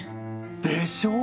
でしょう？